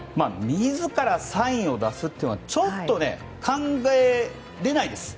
自らサインを出すというのは考えられないです。